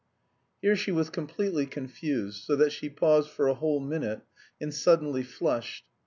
"Here she was completely confused, so that she paused for a whole minute, and suddenly flushed.